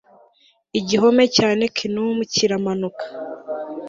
Igihome cya Nequinum kiramanuka